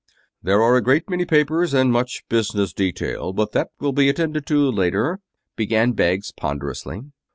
"There are a great many papers and much business detail, but that will be attended to later," began Beggs ponderously.